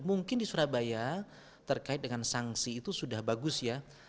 mungkin di surabaya terkait dengan sanksi itu sudah bagus ya